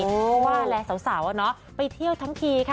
เพราะว่าแหละสาวอ่ะเนาะไปเที่ยวทั้งทีค่ะ